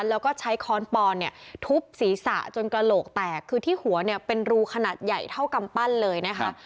แล้วก็ใช้ค้อนปอนเนี่ยทุบศีรษะจนกระโหลกแตกคือที่หัวเนี่ยเป็นรูขนาดใหญ่เท่ากำปั้นเลยนะคะ